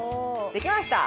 できました！